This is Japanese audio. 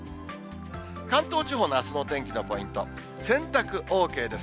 関東地方のあすのお天気のポイント、洗濯ＯＫです。